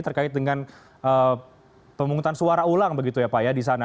terkait dengan pemungutan suara ulang begitu ya pak ya di sana